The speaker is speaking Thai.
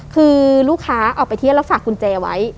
คือลูกค้าออกไปเที่ยวแล้วฝากกุญแจไว้